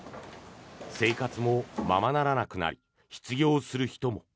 生活もままならなくなり失業する人も。